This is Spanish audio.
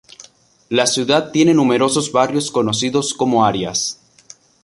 La ciudad tiene numerosos barrios conocidos como Áreas.